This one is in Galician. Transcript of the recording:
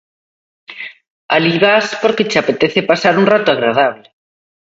Alí vas porque che apetece pasar un rato agradable.